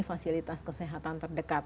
fasilitas kesehatan terdekat